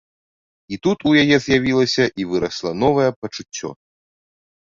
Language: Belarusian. І тут у яе з'явілася і вырасла новае пачуццё.